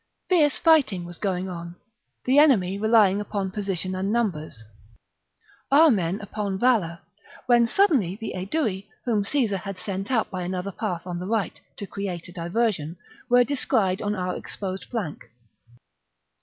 50. Fierce fighting was going on, the enemy relying upon position and numbers, our men upon valour, when suddenly the Aedui, whom Caesar had sent up by another path on the right, to create a diversion, were descried on our exposed flank.